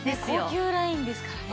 高級ラインですからね。